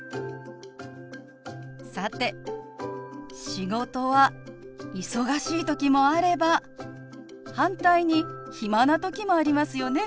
さて仕事は忙しい時もあれば反対に暇な時もありますよね。